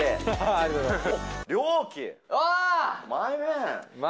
ありがとうございます。